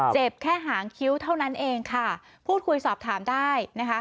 เจ็บแค่หางคิ้วเท่านั้นเองค่ะพูดคุยสอบถามได้นะคะ